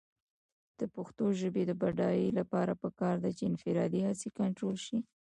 د پښتو ژبې د بډاینې لپاره پکار ده چې انفرادي هڅې کنټرول شي.